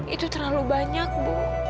itu terlalu banyak bu